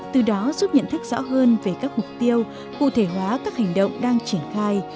từ đó giúp nhận thức rõ hơn về các mục tiêu cụ thể hóa các hành động đang triển khai